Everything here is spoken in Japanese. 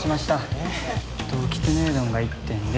えっときつねうどんが１点で。